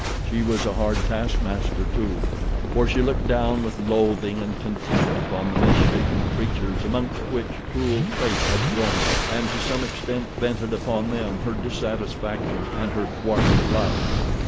She was a hard taskmaster, too, for she looked down with loathing and contempt upon the misshapen creatures amongst which cruel Fate had thrown her and to some extent vented upon them her dissatisfaction and her thwarted love.